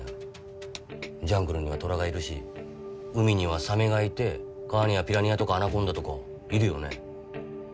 ジャングルには虎がいるし海にはサメがいて川にはピラニアとかアナコンダとかいるよね？